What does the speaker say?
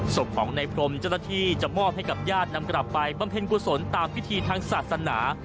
ศพของในพรมเจ้าหน้าที่จะมอบให้กับญาตินำกลับไปบำเพ็ญกุศลตามพิธีทางศาสนา